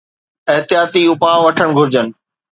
احتياطي اپاءَ وٺڻ گهرجن